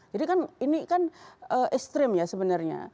jadi kan ini kan ekstrim ya sebenarnya